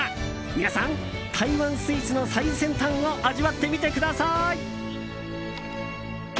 皆さん、台湾スイーツの最先端を味わってみてください！